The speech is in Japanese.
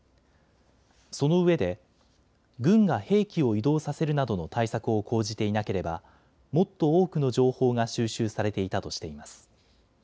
そのうえで軍が兵器を移動させるなどの対策を講じていなければもっと多くの情報が収集されていたとしています。